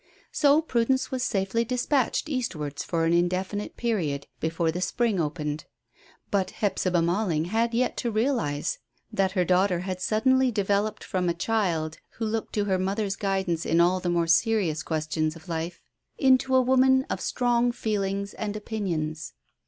So Prudence was safely dispatched eastwards for an indefinite period before the spring opened. But Hephzibah Malling had yet to realize that her daughter had suddenly developed from a child, who looked to her mother's guidance in all the more serious questions of life, into a woman of strong feelings and opinions.